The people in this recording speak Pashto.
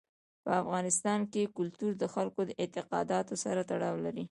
په افغانستان کې کلتور د خلکو د اعتقاداتو سره تړاو لري.